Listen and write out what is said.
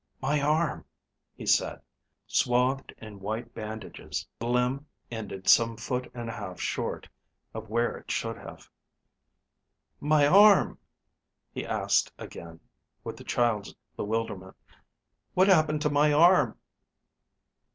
"My arm," he said. Swathed in white bandages, the limb ended some foot and a half short of where it should have. "My arm...?" he asked again, with a child's bewilderment. "What happened to my arm?"